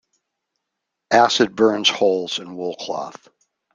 Acid burns holes in wool cloth.